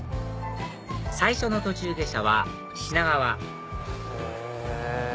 最初の途中下車は品川へぇ。